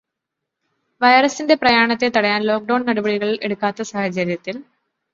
വൈറസിന്റെ പ്രയാണത്തെ തടയാൻ ലോക്ക്ഡൗണ് നടപടികൾ എടുക്കാത്ത സാഹചര്യത്തിൽ